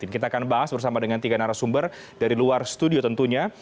kita akan bahas bersama dengan tiga narasumber dari luar studio tentunya